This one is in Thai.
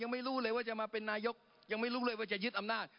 ไม่รู้เลยว่าจะมาเป็นนายกยังไม่รู้เลยว่าจะยึดอำนาจ